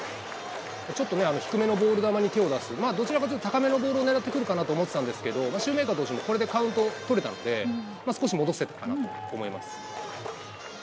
ちょっと低めのボール球に手を出す、どちらかというと高めのボールを狙ってくるかなと思っていたんですけど、シューメーカー投手もこれでカウントを取れたので、２球目。